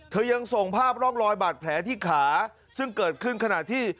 ยังส่งภาพร่องรอยบาดแผลที่ขาซึ่งเกิดขึ้นขณะที่